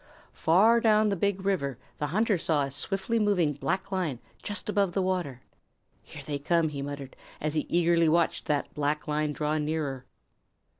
Far down the Big River the hunter saw a swiftly moving black line just above the water. "Here they come," he muttered, as he eagerly watched that black line draw nearer.